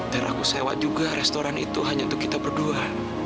dan aku sewa juga restoran itu hanya untuk kita berdua